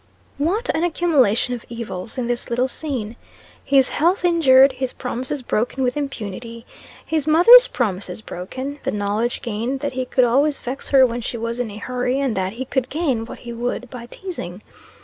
What an accumulation of evils in this little scene! His health injured his promises broken with impunity his mother's promises broken the knowledge gained that he could always vex her when she was in a hurry and that he could gain what he would by teasing.